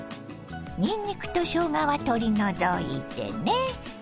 にんにくとしょうがは取り除いてね。